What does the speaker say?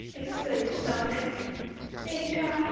exclaimed Dominick. "Thank God!"